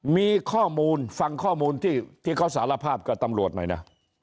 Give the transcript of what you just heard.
มีข้อมูลฟังข้อมูลที่เขาสารภาพกับตำรวจหน่อยนะ